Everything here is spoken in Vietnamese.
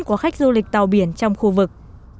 của khách du lịch tàu biển trong khu vực